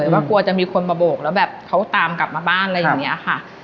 ว่ากลัวจะมีคนมาโบกแล้วแบบเขาตามกลับมาบ้านอะไรอย่างนี้ค่ะ